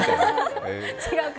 違うか。